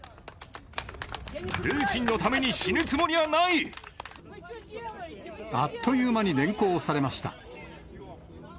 プーチンのために死ぬつもりはない！あっという間に連行されました。